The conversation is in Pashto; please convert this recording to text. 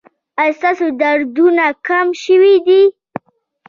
ایا ستاسو دردونه کم شوي دي؟